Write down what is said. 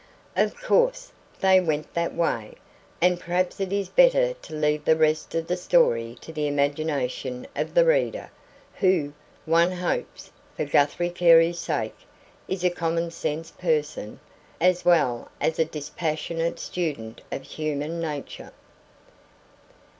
Of course, they went that way. And perhaps it is better to leave the rest of the story to the imagination of the reader, who, one hopes, for Guthrie Carey's sake, is a common sense person, as well as a dispassionate student of human nature.